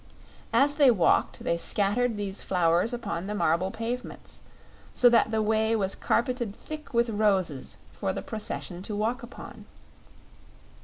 As they walked they scattered these flowers upon the marble pavements, so that the way was carpeted thick with roses for the procession to walk upon.